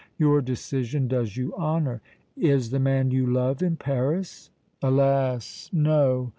Your decision does you honor. Is the man you love in Paris?" "Alas! no.